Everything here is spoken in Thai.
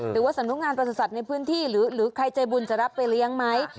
หรือว่าสำนักงานประสุทธิ์ในพื้นที่หรือใครใจบุญจะรับไปเลี้ยงไหม